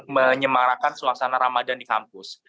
menyemarakan suasana ramadan di kampus